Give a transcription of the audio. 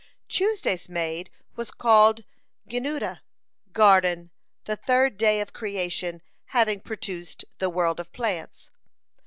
Tuesday's maid was called Genunita, "Garden," the third day of creation having produced the world of plants.